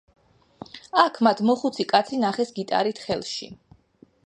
აქ მათ მოხუცი კაცი ნახეს გიტარით ხელში.